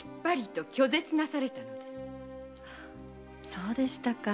そうでしたか。